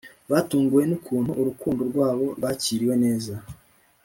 batunguwe nukuntu urukundo rwabo rwakiwe neza